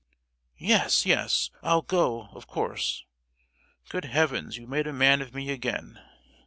"Yes, yes! I'll go—of course! Good heavens, you've made a man of me again!